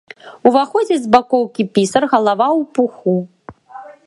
Уваходзіць з бакоўкі пісар, галава ў пуху.